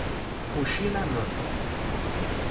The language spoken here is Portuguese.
Puxinanã